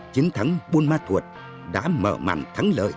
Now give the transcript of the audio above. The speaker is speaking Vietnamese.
chiến thắng buôn ma thuột đã mở màn thắng lợi